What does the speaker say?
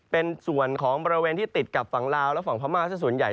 เป็นส่วนของบริเวณที่ติดกับฝั่งลาวและฝั่งพม่าสักส่วนใหญ่